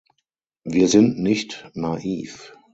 Wir sind nicht naiv.